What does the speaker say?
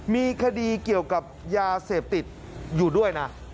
มีคดีเกี่ยวกับยาเสพติดอยู่ด้วยนะ